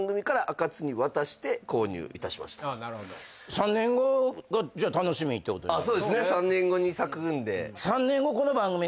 ３年後、楽しみってことですね。